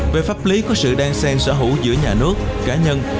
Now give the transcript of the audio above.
về pháp lý có sự đan sen sở hữu giữa nhà nước cá nhân